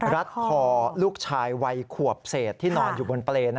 รัดคอลูกชายวัยขวบเศษที่นอนอยู่บนเปรย์